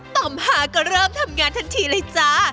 ต่อมหาก็เริ่มทำงานทันทีเลยจ้า